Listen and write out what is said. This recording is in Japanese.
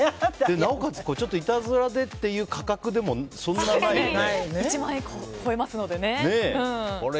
なおかつ、ちょっといたずらでっていう価格でも１万円以降を超えますからね。